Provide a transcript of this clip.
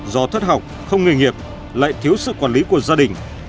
do thất học không nghề nghiệp lại thiếu sự quản lý của gia đình